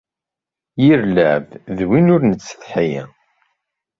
Yir lɛebd d win ur nettsetḥi.